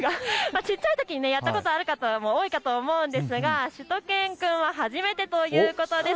ちっちゃいときにやったことがある方も多いと思いますがしゅと犬くんは初めてということです。